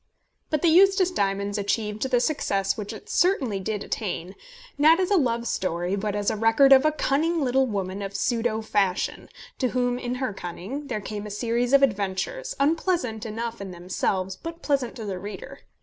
But The Eustace Diamonds achieved the success which it certainly did attain, not as a love story, but as a record of a cunning little woman of pseudo fashion, to whom, in her cunning, there came a series of adventures, unpleasant enough in themselves, but pleasant to the reader.